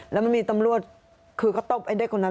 แล้วมันมีตำรวจคือก็ตบไอ้เด็กคนนั้น